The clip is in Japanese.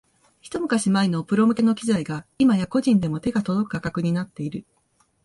ひと昔前のプロ向けの機材が今や個人でも手が届く価格になっている